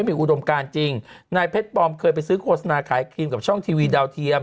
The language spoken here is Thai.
มีอุดมการจริงนายเพชรปลอมเคยไปซื้อโฆษณาขายครีมกับช่องทีวีดาวเทียม